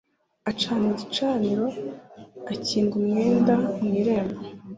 Acana igicaniro, akinga umwenda mu irembo